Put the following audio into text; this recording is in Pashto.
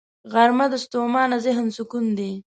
غرمه د ستومانه ذهن سکون دی